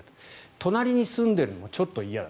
隣に住んでいるのもちょっと嫌だ。